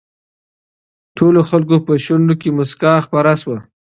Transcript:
ټولو خلکو په شونډو کې مسکا خپره شوه.